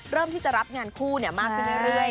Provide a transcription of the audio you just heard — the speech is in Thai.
ที่จะรับงานคู่มากขึ้นเรื่อย